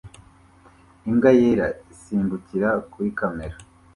imbwa yera isimbukira kuri kamera